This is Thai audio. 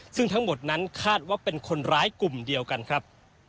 ซึ่งทั้งหมดนั้นคาดว่าเป็นคนร้ายกลุ่มเดียวกันครับ